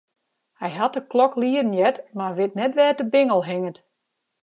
Hy hat de klok lieden heard, mar wit net wêr't de bingel hinget.